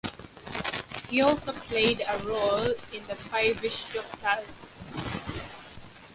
He also played a role in The Five-ish Doctors.